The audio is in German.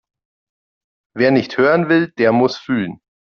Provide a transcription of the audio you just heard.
Wer nicht hören will, der muss fühlen.